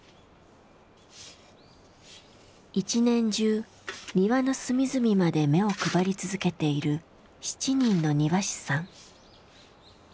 一年中庭の隅々まで目を配り続けている７人の庭師さん。